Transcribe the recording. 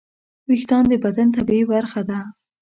وېښتيان د بدن طبیعي برخه ده.